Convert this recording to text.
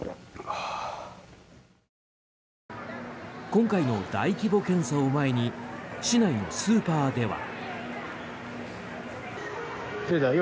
今回の大規模検査を前に市内のスーパーでは。